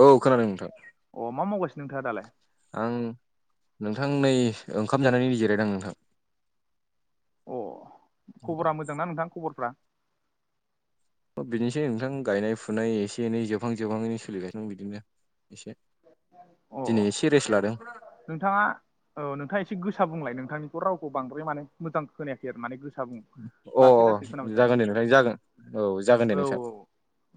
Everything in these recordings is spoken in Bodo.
औ खोनादों नोंथां अ मा मावगासिनो नोंथाङा दालाय आं नोंथां नै ओंखाम जानायनि जिरायदां नोंथां अ खबरा मोजांना नोंथां खबरफ्रा बिदिनोसै नोंथां गायनाय फुनाय एसे एनै जोबहां जोबहाङैनो सोलिगासिनो बिदिनो एसे अ दिनै एसे रेस लादों नोंथाङा ओ नोंथाङा एसे गोसा बुंलाय नोंथांनिखौ रावखौ बांद्राय माने मोजां खोनायाखै आरो माने गोस अ अ जागोन दे नोंथां जागोन औ जागोन दे औ नोंथां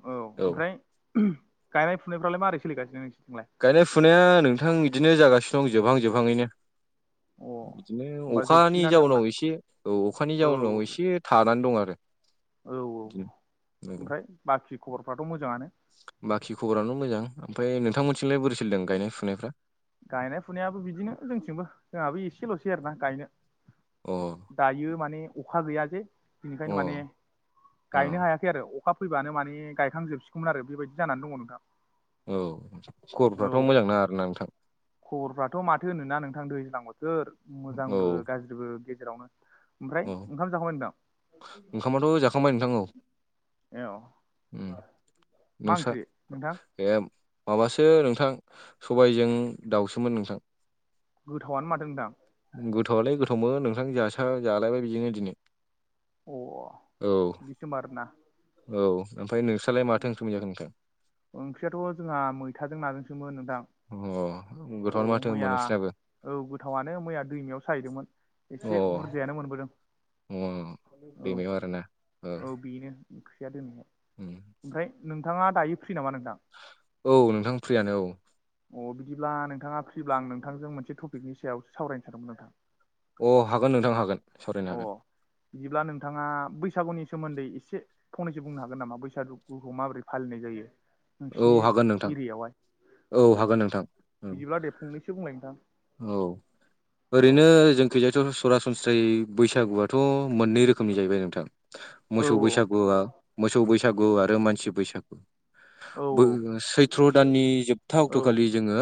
औ ओमफ्राय गायनाय फुनायफ्रालाय मारै सोलिगासिनो नोंसोरनिथिंलाय गायनाय फुनाया नोंथां बिदिनो जागासिनो दं जोबहां जोबहाङैनो अ बिदिनो होमबा अखानि जोबसिगोनानो आरोना जाउनाव एसे औ अखानि औ जाउनाव एसे थानानै दं आरो औ औ बिदिनो नंगौ ओमफ्राय बाखि खबरफ्राथ' मोजाङानो बाखि खबरानो मोजां ओमफ्राय नोंथांमोनथिंलाय बोरै सोलिदों गायनाय फुनायफ्रा गायनाय फुनायाबो बिदिनो जोंथिंबो जोंहाबो एसेल'सै आरोना गायनो अ दायो माने अखा गैया जे अ बिनिखायनो माने अ गायनो हायाखै आरो अखा फैबानो माने गायखांजोबसिगौमोन आरो बेबायदि जानानै दङ नोंथां औ औ खबरफ्राथ' मोजां नाङा आर ना नोंथां खबरफ्राथ' माथो होनोना नोंथां दैज्लां बोथोर औ मोजांबो गाज्रिबो गेजेरावनो ओमफ्राय औ ओंखाम जाखांबाय नोंथां ओंखामाथ' जाखांबाय नोंथां औ औ मा नोंसा ओंख्रि नोंथां ए माबासो नोंथां सबायजों दाउसोमोन नोंथां गोथावनो मादोंदां गोथौआलाय गोथावमोन नोंथां जास जालायबाय बिदिनो दिनै अ औ बिदिसोमा आरोना औ ओमफ्राय नोंस्रलाय माथो ओखोमै जागोन नोंथां ओंख्रियाथ' जोंहा मैथाजों नाजोंसोमोन नोंथां अ गोथौआनो औ माथो मैया होनब नोंसिनाबो औ गोथावनो मैया दैमायाव साहैदोंमोन अ एसे बुरजायानो मोनबोदों अ औ दैम मार ना औ बेनो ओंख्रिया दोननायहाय उम ओमफ्राय नोंथाङा दायो फ्रि नामा नोंथां औ नोंथां फ्रियानो औ अ बिदिब्ला नोंथाङा फ्रिब्ला आं नोंथांजों मोनसे टपिकनि सायाव सावरायनो सानदोंमोन नोंथां अ हागोन नोंथां हागोन सावरायनो अ हागोन बिदिब्ला नोंथाङा बैसागुनि सोमोन्दै एसे फंनैसो बुंनो हागोन नामा बैसागु गुखौ माबोरै फालिनाय जायो औ नोंसिनि हागोन नोंथां एरियायावहाय औ अ हागोन नोंथां बिदिब्ला दे फंनैसो बुंलाय नोंथां औ औ ओरैनो जोंखैजाथ' सरासनस्रायै बैसागुआथ' मोननै रोखोमनि जाहैबाय नोंथां औ मोसौ बैसागुआ मोसौ बैसागु आरो मानसि बैसागु औ सैथ्र' दाननि जोबथा औ अक्ट'खालि जोङो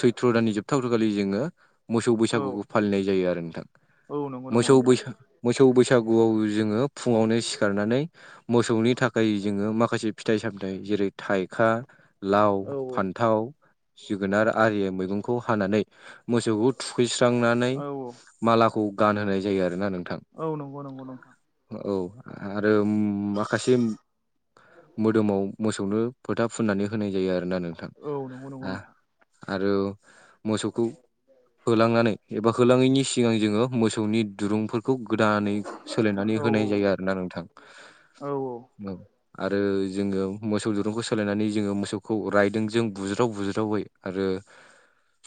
सैथ्र' दाननि जोबथाथखालि जोङो मोसौ औ बैसागुखौ फालिनाय जायो आरो नोंथां औ नंगौ नंगौ मोसौ नोंथां बैसाग मोसौ बैसागुआव जोङो फुङावनो सिखारनानै मोसौनि थाखाय जोङो माखासे फिथाइ सामथायाइ जेरै थाइखा लाव औ फान्थाव जोगोनार आरियो मैगंखौ हानानै मोसौखौ थुखैस्रांनानै औ औ मालाखौ गानहोनाय जायो आरोोना नोंथां औ नंगौ नंगौ नोंथां औ आरो माखासे मोदोमाव मोसौनो फोथा फुननानै होनाय जायो आरोना नोंथां औ नंगौ नंगौ नोंथां आरो मोसौखौ होलांनानै एबा होलाङैनि सिगां जोङो मोसौनि दुरुंफोरखौ खौ गोदानै सोलायनानै औ होनाय जायो आरो नोंथां औ औ आरो जोो मोसौ दुरुंखौ स जोङो मोसौखौ रायदों जों बुज्राव बुज्रावै आरो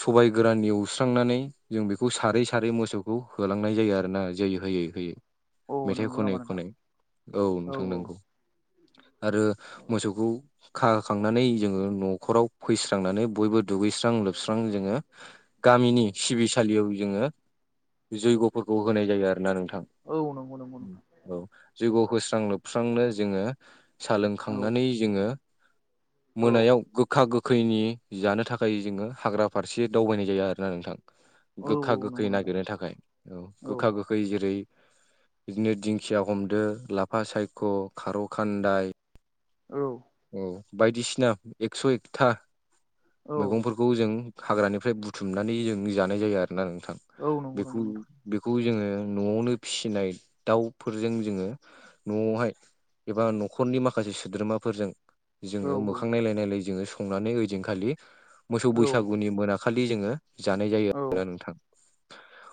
सबायाइ गोराननि एवस्रांनानै जों बेखौ सारै सारै मोसौखौ होलांनाय जायो आरो ना जै होयै होयै औ मेथाइ नंगौ खनै नामा नोंथां खनै औ नोंथांनांगौ आरो औ मोसौखौ खाखांनानै जोङो न'खराव फैस्रांनानै बयबो दुगैस्रां लोबस्रां जोङो गामिनि सिबिसालियाव जोङो जैग'फोरखौ होनाय जायो आरोोना नोंथां औ नंगौ नंगौ नंगौ औ जगखौ होस्रां लोबस्रांनो जोङो औ साहोलोंखांनानै जोङो औ मोनायाव गोखा गोखैनि जानो थाखाय जोङो हाग्रा फारसे दावबायनाय जाया आरो ना नोंथां औ गोखा गोखा औ नंगौ गोखै नोंथां नागिरनो थाखाय औ गोखा गोखै जेरै इगनेट दिंखिया हमदो लाफा सायख' खारौ खान्दाय औ औ बायदिसिना एकस' एकथा औ मैगंफोरखौ बेखौ जों हाग्रानिफ्राय बुथुमनानै जों जानाय जायो आरोोना नोंथां औ नंगौ नंगौ बेखौ नोंथां बेखौ जोङो न'आवनो फिसिनाय दाउफोरजों जोङो न'आवहाय एबा न'खरनि माखासे सोद्रोमाफोरजों औ जोङो मोखां नायलाय नायलाय जोङो संनानै ओइदिनखालि मोसौ औ बैसागुनि मोनाखालि जोङो जानाय जायो औ आरो नोंथां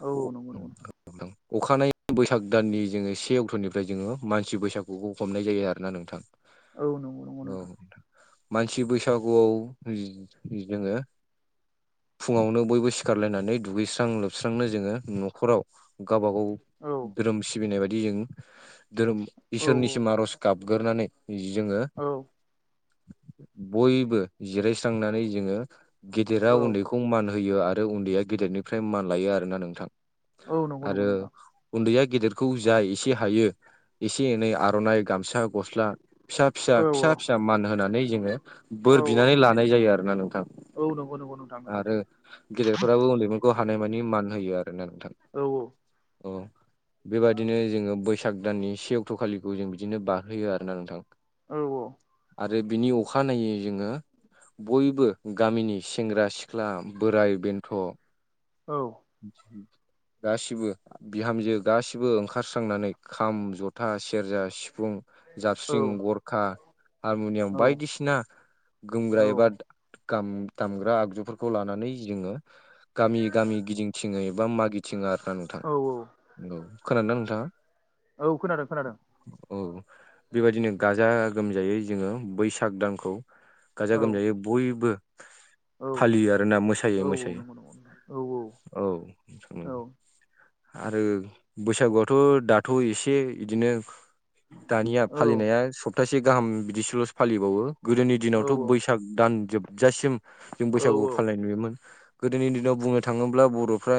औ नंगौ [inaudible] अखानाय बैसाग दाननि जोङो से अक्ट'निफ्राय जोङो मानसि बैसागुखौ हमनाय जायो आरो ना नोंथां औ नंगौ नंगौ औ नोंथां मानसि बैसागुआव जोङो फुङावनो बयबो सिखारलायनानै दुगैस्रां लोबस्रांनो जोङो न'खराव गावबाागाव औ धोरोम सिबिनाय बायदि जों धोरोम औ इसोरनिसिम आर'ज गाबगोरानै जोङो औ बयबो जिरायस्रांनानै जोङो गेदेरा औ उन्दै खौ मान होयो आरो उन्दैया गेदेरनिफ्राय मान लायो आरोोना नोंथां औ नंगौ नंगौ आरो नोंथां उन्दैया गेदेरखौ जा एसे हायो एसे एनै आर'नाइ गामसा गस्ला फिसा फिसा औ फिसा फिसा मान होनानै जोङो औ बोर बिनानै लानाय जायो आरो ना नोंथां नब नथां आरो गेदेरफोराबो उन्दैफोरखौ हानाय मानि मान होयो आरोना नोंथां औ औ अ बेबायाददिनो जोङो ब बैसाग दाननि से अक्ट'खालिखौ जों बिदिनो बारहोयो आरो ना नोंथां। औ औ आरो बिनि अखानायनायै जोङो बयबो गामिनि सेंग्रा सिख्ला बोराय बेन्थ' औ गासिबो बिहामजो गाैबो ओंखारस्रांनानै खाम जथा सेरजा सिफुं औ जाबस्रिं गरखा हारमुनियाम बायदिसिना औ गोमग्रा एबा ाम दामग्रा आगजुफोरखौ लानानै जोङो गामि गामि गिदिंथिङै बा मागिथिङार खोना नोंथां औ खोनादोंदां नोंथाङा औ खोनादों खोनादों औ बेबायदिनो गाजा गोमजायै जोङो बैसाग दानखौ औ गाजा गोमजायै बयबो औ फालियो आरोना मोसायोै औ मोसायो नंगौ नंगौ नोंथां औ औ औ आरो बैसागुआथ' दाथ' एसे बिदिनो दानिया औ फालिनाया सप्तासे गाहाम बिदिसोल'सो फालिबावो गोदोनि दिनावथ' बैसाग दान जोबजासिम जों औ बैसागुखौ फालिनाय नुयोमोन गोदोनि दिनाव बुंनो थाङोब्ला बर'फ्रा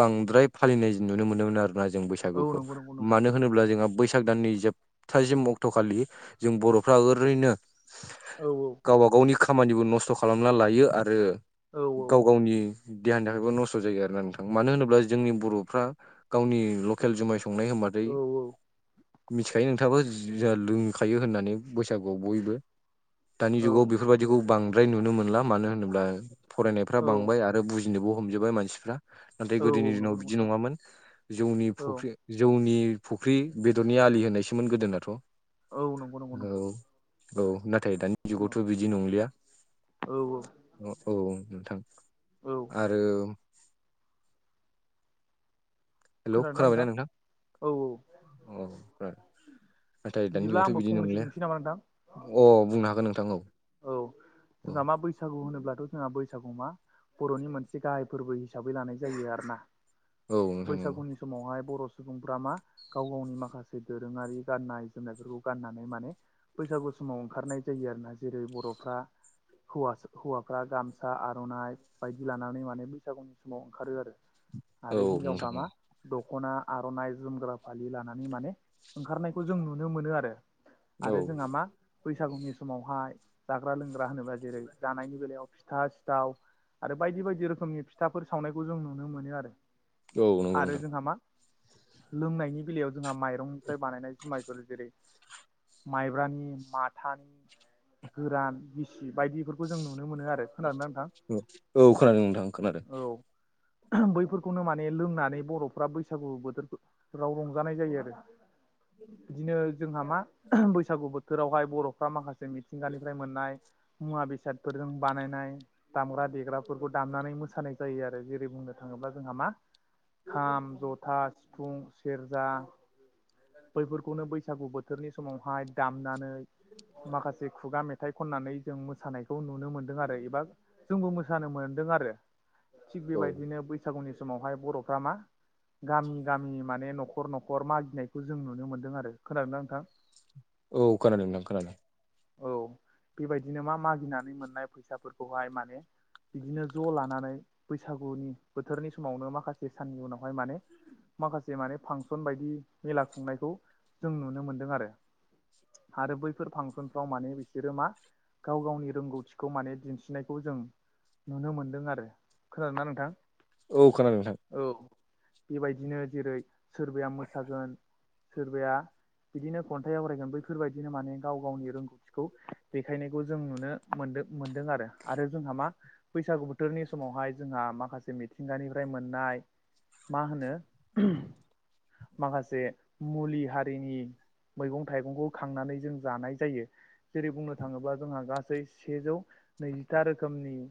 बांद्राय फालिनाय नुनो मोनोमोन आरोना जों बैस औ बैसागुखौ नंगौ नंगौ नोंथां मानो होनोब्ला जोंहा बैसाग दाननि जोबथासिम अक्ट'खालि जों बर'फ्रा ओरैनो औ गावब गावनि खामानिबो नस्थ' खालामना लायो आरो औ गाव गावनि देहानि थाखायबो नस्थ' जायो आरो ना नोंथां मानो होनोब्ला जोंनि बर'फ्रा गावनि लकेल जुमाय संनाय होनबाथाय औ औ मिथिखायो नोंथाङाबो ज लों खायो होननानै बैसागुआव बयबो दानि औ जुगाव बेफोरबायाददिखौ बांद्राय नुनो मोनला मानो होनोब्ला फरायनायफ्रा औ बांबाय आरो आरो बुजिनोबो हमजोबबाय मानसिफ्रा नाथाय औ गोदोनि दिनाव नंगौ नंगौ बिदि नोंथां नङामोन जौनि औ फुख्रि जौनि फुख्रि बेदरनि आलि होनायसोमोन गोदोनाथ' औ नंगौ नंगौ औ नोंथां औ नाथाय दानि औ जुगावथ' बिदि नंलिया औ औ औ औ नोंथां औ आरो हेल' खोनादोंना खोनाबायना नोंथां औ औ नोंथां ओमफ्राय नाथाय दानि बिदिब्ला जुगआवथ' आंबो बिदि फंनैसो नंलिया बुंनोसै नामा नोंथां अ बुंनो हागोन नोंथां औ औ औ जोंहा मा बैसागु होनोब्लाथ' जोंहा बैसागु मा बर'नि मोनसे गाहाय फोरबो हिसाबै लानाय जायो आरोना औ नोंथां नंगौ बैसागुनि समावहाय बर' सुबुंफ्रा मा गाव गावनि माखासे दोरोंङारि गाननाय जोमनायफोरखौ गाननानै माने बैसागु समाव ओंखारनाय जायो आरोना जेरै बर'फ्रा हौवासा हौवाफ्रा गामसा आर'नाइ बायदि लानानै माने बैसागुनि समाव ओंखारो आरो औ आरो नोंथां हिनजावफ्रा औ मा दख'ना आर'नाइ जोमग्रा फालि लानानै माने ओंखारनायखौ जों नुनो मोनो आरो आरो जोंहा मा बैसागुनि समावहाय जाग्रा लोंग्रा होनोबा जेरै जानायनि बेलायाव फिथा सिथाव आरो बायदि बायदि रोखोमनि फिथाफोर सावनायखौ जों नुनो मोनो आरो औ नंगौ आरो नोंथां जोंहा मा लोंनायनि बेलायाव जोंहा माइरंनिफ्राय बानायनाय जुमायफोर जेरै माइब्रानि माथानि गोरान गिसि बायदिफोरखौ जों नुनो मोनो आरो खोनादोंना नोंथां औ खोनादों नोंथां खोनादों औ बैफोरखौनो माने लोंनानै बर'फ्रा बैसागु बोथोफ्राव रंजानाय जायो आरो बिदिनो जोंहा मा बैसागु बोथोरावहाय बर'फ्रा माखासे मिथिंगानिफ्राय मोननाय मुवा बेसादफोरजों बानायनाय दामग्रा देग्राफोरखौ दामनानै मोसानाय जायो आरो जेरै बुंनो थाङोब्ला जोंहा मा खाम जथा सिफुं सेरजा बैफोरखौनो बै सागु बोथोरनि समावहाय दामनानै माखासे खुगा मेथाइ खननानै जों मोसानायखौ नुनो मोन्दों आरो एबा जोंबो मोसानो मोनदों आरो थिग औ बेबायदिनो बैसागुनि समावहाय बर'फ्रा मा गामि गामि माने न'खर न' -खर मागिनायखौ जों नुनो मोनदों आरो खोनादोंना नोंथां औ खोनादों नोंथां खोनादों औ बेबायदिनो मा मागिनानै मोननाय फैसाफोरखौहाय माने बिदिनो ज' लानानै बैसागुनि बोथोरनि समावनो माखासे साननि उनावहाय माने माखासे माने फांसन बायदि मेला खुंनायखौ जों नुनो मोनदों आरो आरो बैफोर फांसन फ्राव माने बिसोरो मा गाव गावनि रोंगौथिखौ माने दिन्थिनायखौ जों नुनो मोन्दों आरो खोनादोंना नोंथां औ खोनादों नोंथां औ बेबायदिनो जेरै सोरबाया मोसागोन सोरबाया बिदिनो खन्थाइ आवरायगोन बैफोरबायदिनो माने गाव गावनि रोंग थिखौ देखायनायखौ जों नुनो मोनदों मोनदों आरो आरो जोंहा मा बैसागु बोथोरनि समावहाय जोंहा माखासे मिथिंगानिफ्राय मोननाय मा होनो माखासे मुलि हारिनि मैगं थाइगंखौ खांनानै जों जानाय जायो जेरै बुंनो थाङोब्ला जोंहा गासै सेजौ नैजिथा रोखोमनि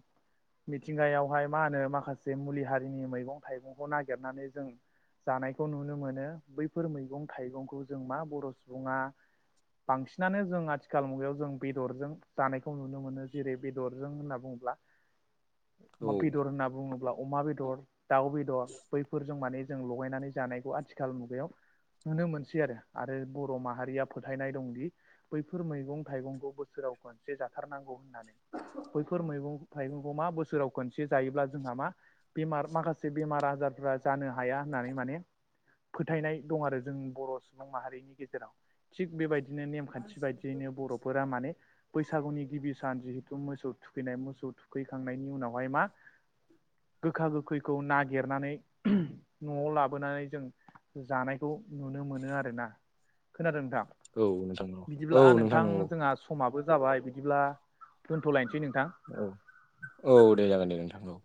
मिथिंगायावहाय मा होनो माखासे मुलि हारिनि मैगं थाइगंखौ नागिरनानै जों जानायखौ नुनो मोनो बैफोर मैगं थाइगंखौ जों मा बर' सुबुंङा बांसिनानो जों आथि खाल मुगायाव जों बेदरजों जानायखौ नुनो मोनो जेरै बेदरजों होनना बुङोब्ला औ बेदर होनना बुङोब्ला अमा बेदर दाउ बेदर बैफोरजों माने जों लगायनानै जानायखौ आथिखाल मुगायाव नुनो मोनसै आरो आरो बर' माहारिया फोथायनाय दंदि बेफोर मैगं थाइगंखौ बोसोराव खनसे जाथारनांगौ होननानै बैफोर मैगं थाइगंखौ मा बोसोराव खनसे जायोब्ला जोंहा मा। बेमार माखासे बेमार आजारफ्रा जानो हाया होननानै माने। फोथायनाय दं आरो जों बर' सुबुं माहारिनि गेजेराव थिग बेबायदिनो नेम। बायदियैनो बर'फोरा माने बैसागुनि गिबि सान जिहेथु मोसौ थुखैनाय मोसौ थुखैखांनायनि उनावहाय मा गोखा गोखैखौ नागिरनानै। न'आव लाबोनानै जों जानायखौ नुनो मोनो आरोना खोनादों नोंथां। औनो। बिदिब्ला नोंथां जोंहा समाबो जाबाय बिदिब्ला दोनथ'लायनोसै नोंथां। औ औ दे जागोन दे नोंथां औ।